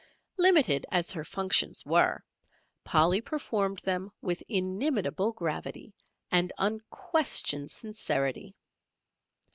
Limited as her functions were, Polly performed them with inimitable gravity and unquestioned sincerity.